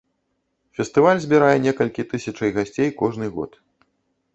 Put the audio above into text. Фестываль збірае некалькі тысячай гасцей кожны год.